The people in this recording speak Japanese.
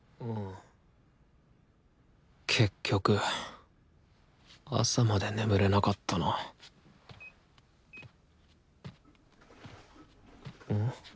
結局朝まで眠れなかったなん？